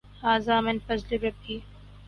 ھذا من فضْل ربی۔